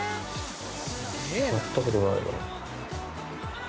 やったことない。